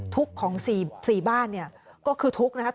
ทุกข์ของ๔บ้านเนี่ยก็คือทุกข์นะครับ